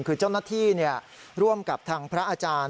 คือเจ้าหน้าที่ร่วมกับทางพระอาจารย์